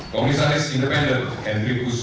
komisaris independen henryus ibu